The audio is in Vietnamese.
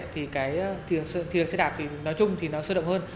thì thường xe đạp nói chung thì nó sơ động hơn